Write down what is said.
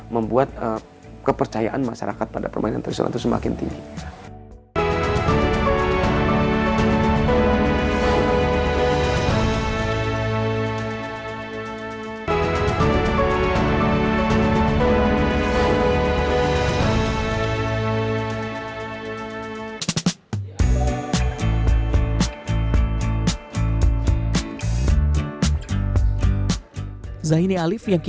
membuat kepercayaan masyarakat pada permainan tradisional itu semakin tinggi